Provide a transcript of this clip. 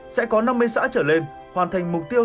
sẽ có năm mươi xã trở lên hoàn thành mục tiêu